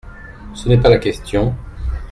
Ce n’est pas la question.